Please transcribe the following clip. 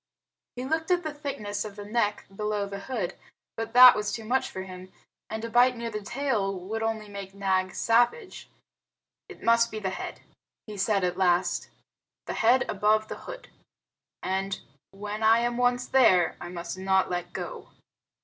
He looked at the thickness of the neck below the hood, but that was too much for him; and a bite near the tail would only make Nag savage. "It must be the head"' he said at last; "the head above the hood. And, when I am once there, I must not let go."